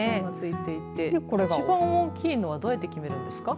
一番大きいのはどうやって決めるんですか。